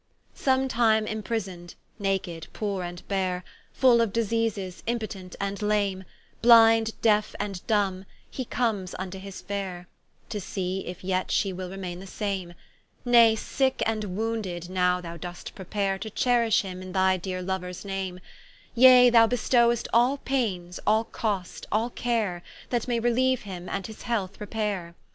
Sometime imprison'd, naked, poore, and bare, Full of diseases, impotent, and lame, Blind, deafe, and dumbe, he comes vnto his faire, To see if yet shee will remaine the same; Nay sicke and wounded, now thou do'st prepare To cherish him in thy deare Louers name: Yea thou bestow'st all paines, all cost, all care, That may relieue him, and his health repaire.